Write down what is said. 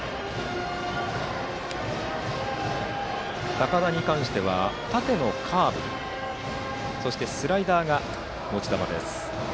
高田に関しては、縦のカーブそしてスライダーが持ち球です。